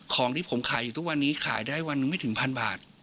ของที่ผมขายอยู่ทุกวันนี้ขายได้วันหนึ่งไม่ถึงพันบาท